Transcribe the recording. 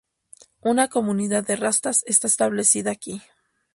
Una comunidad de rastas está establecida aquí.